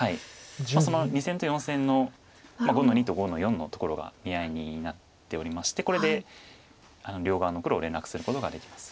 その２線と４線の５の二と５の四のところが見合いになっておりましてこれで両側の黒を連絡することができます。